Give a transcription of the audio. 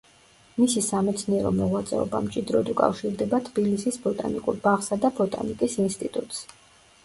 მისი სამეცნიერო მოღვაწეობა მჭიდროდ უკავშირდება თბილისის ბოტანიკურ ბაღსა და ბოტანიკის ინსტიტუტს.